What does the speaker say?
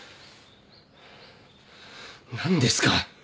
何ですか。